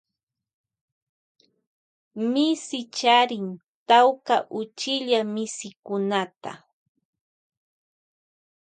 Misi charin tawka uchilla misikunata.